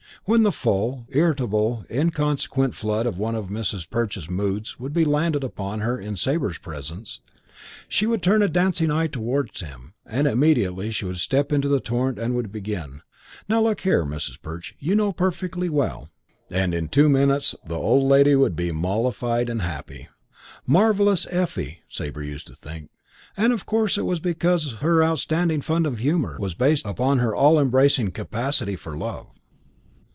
When the full, irritable, inconsequent flood of one of Mrs. Perch's moods would be launched upon her in Sabre's presence, she would turn a dancing eye towards him and immediately she could step into the torrent and would begin, "Now, look here, Mrs. Perch, you know perfectly well "; and in two minutes the old lady would be mollified and happy. Marvellous Effie! Sabre used to think; and of course it was because her astounding fund of humour was based upon her all embracing capacity for love.